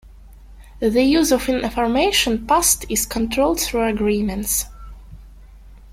The use of information passed is controlled through agreements.